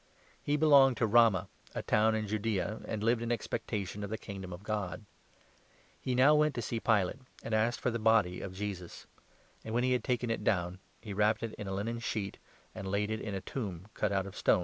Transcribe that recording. He belonged to Ramah, a town in Judaea, and lived in expectation of the Kingdom of God. He now went to see Pilate, and asked for 52 the body of Jesus ; and, when he had taken it down, he wrapped 53 it in a linen sheet, and laid him in a tomb cut out of stone, *» Ps.